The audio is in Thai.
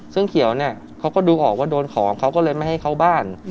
ซึ่งเขียวเนี่ยเขาก็ดูออกว่าโดนของเขาก็เลยไม่ให้เข้าบ้าน